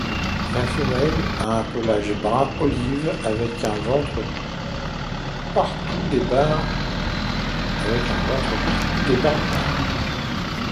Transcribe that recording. La femelle a un pelage brun olive avec un ventre portant des barres noires.